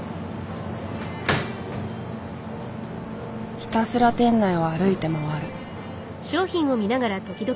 ひたすら店内を歩いて回る。